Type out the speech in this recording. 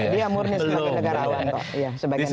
dia murni sebagai negara